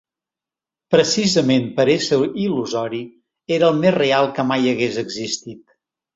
Precisament per ésser il·lusori era el més real que mai hagués existit